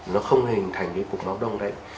nó không hình thành cái cục máu đông đấy